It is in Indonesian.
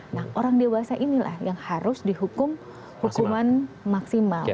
nah orang dewasa inilah yang harus dihukum hukuman maksimal